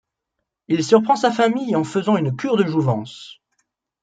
Il surprend sa famille en faisant une cure de jouvence.